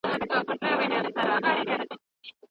وليمه هم د مشروعو او مستحبو کړنو څخه ده.